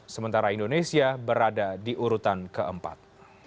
sementara indonesia berada di urutan keempat